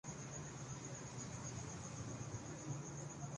واضح رہے کہ نیپال کی حکومت نے کھجیندرا تھاپا